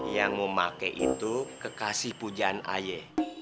yang memake itu kekasih pujaan aye